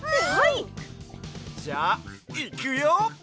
じゃあいくよ！